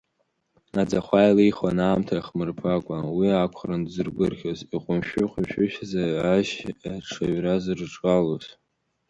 Аӡахәа еилихуан аамҭа иахмырԥакәа, уи акәхарын дзыргәырӷьоз, иҟәымшәы-шәӡа ажь аҽаҩра зырҿалоз.